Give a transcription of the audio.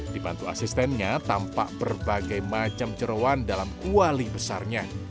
dipantau asistennya tampak berbagai macam cerawan dalam kuali besarnya